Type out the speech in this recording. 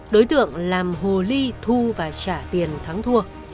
đối tượng làm hồ ly thu và trả tiền thắng thua